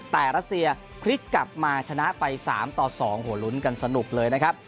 แต่รัสเซียพลิกกลับมาชนะไป๓ต่อ๒โหลุ้นกันสนุกเลยนะครับ